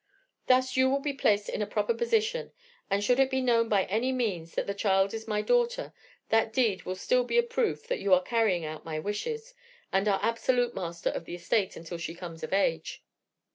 Thus, you will be placed in a proper position; and should it be known by any means that the child is my daughter, that deed will still be a proof that you are carrying out my wishes, and are absolute master of the estate until she comes of age."